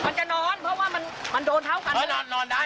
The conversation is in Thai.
มันจะนอนเพราะว่ามันโดนเท้ากัน